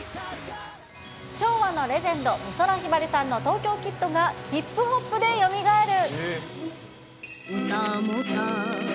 昭和のレジェンド、美空ひばりさんの東京キッドがヒップホップでよみがえる。